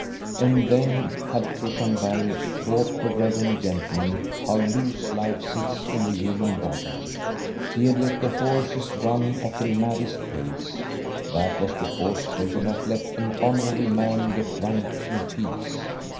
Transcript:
And then had Christian Bergh taught the reverend gentlemen how loose life sits in the human body. He had let the horses run at the maddest pace. That was because they would not let an honorable man get drunk in peace.